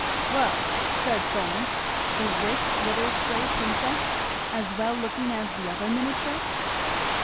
"Well," said Thorn, "is this little stray princess as well looking as t'other miniature?"